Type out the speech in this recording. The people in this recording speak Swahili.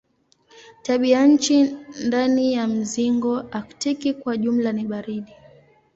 Tabianchi ndani ya mzingo aktiki kwa jumla ni baridi.